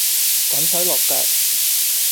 滾水淥腳